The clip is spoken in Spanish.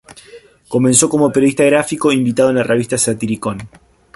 Comenzó como periodista gráfico invitado en la revista "Satiricón".